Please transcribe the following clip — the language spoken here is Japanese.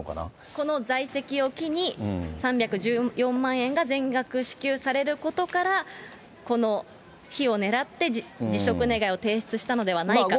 この在籍を機に、３１４万円が全額支給されることから、この日を狙って辞職願を提出したのではないかと。